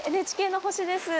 ＮＨＫの星です。